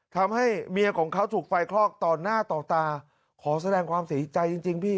ทำให้เมียของเขาถูกไฟคลอกต่อหน้าต่อตาขอแสดงความเสียใจจริงพี่